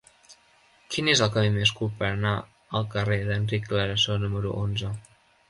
Quin és el camí més curt per anar al carrer d'Enric Clarasó número onze?